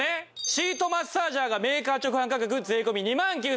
シートマッサージャーがメーカー直販価格税込２万９８００円。